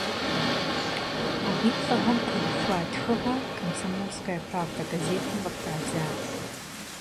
Абы и лӏыгъэм теухуа тхыгъэ «Комсомольская правда» газетым къытрадзат.